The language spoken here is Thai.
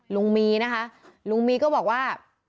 ลุงมีนะคะลุงมีก็บอกว่า